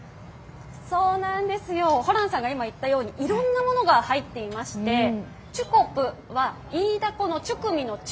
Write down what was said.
ホランさんが今言ったようにいろんなものが入っていましてチュコプはイイダコのチュポミのチュ